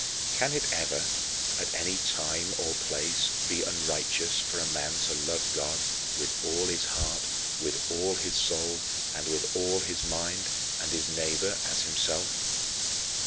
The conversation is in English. Can it ever, at any time or place, be unrighteous for a man to love God with all his heart, with all his soul, and with all his mind; and his neighbor as himself?